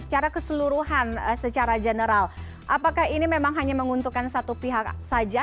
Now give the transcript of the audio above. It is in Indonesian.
secara keseluruhan secara general apakah ini memang hanya menguntungkan satu pihak saja